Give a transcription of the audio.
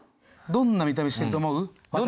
どんな見た目してると思う？